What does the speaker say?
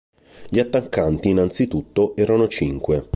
Gli attaccanti, innanzitutto, erano cinque.